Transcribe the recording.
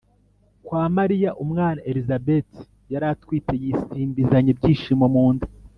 kwa mariya: umwana elizabeti yari atwite yisimbizanya ibyishimo mu nda